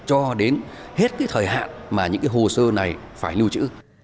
cho đến hết cái thời hạn mà những cái hồ sơ này phải lưu trữ